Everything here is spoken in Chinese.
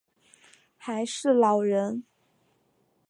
还是老人